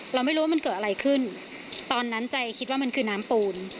เราไม่รู้ว่ามันเกิดอะไรขึ้นตอนนั้นใจคิดว่ามันคือน้ำปูน